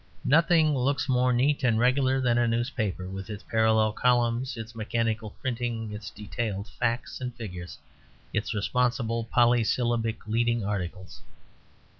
Nothing looks more neat and regular than a newspaper, with its parallel columns, its mechanical printing, its detailed facts and figures, its responsible, polysyllabic leading articles.